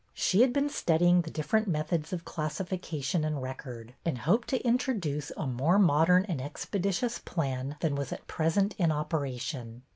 She had been studying the different methods of classification and record, and hoped to intro duce a more modern and expeditious plan than 15 226 BETTY BAIRD^S VENTURES was at present in operation.